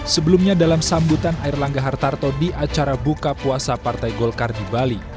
sebelumnya dalam sambutan air langga hartarto di acara buka puasa partai golkar di bali